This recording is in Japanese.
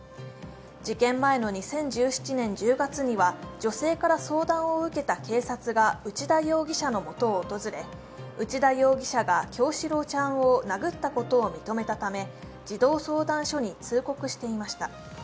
事件前の２０１７年１０月には女性から相談を受けた警察が内田容疑者のもとを訪れ内田容疑者が叶志郎ちゃんを殴ったことを認めたため児童相談所に通告していました。